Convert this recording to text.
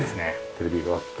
テレビがあって。